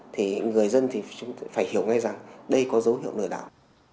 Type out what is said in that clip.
thì người dân thì chúng phải hiểu ngay rằng đây có dấu hiệu lừa đảo